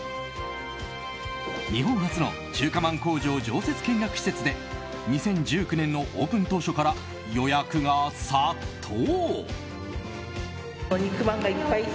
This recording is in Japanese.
日本初の中華まん工場常設見学施設で２０１９年のオープン当初から予約が殺到。